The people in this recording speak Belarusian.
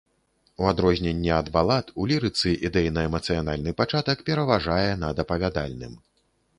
У адрозненне ад балад, у лірыцы ідэйна-эмацыянальны пачатак пераважае над апавядальным.